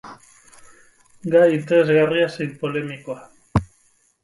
Gai interesgarri zein polemikoa.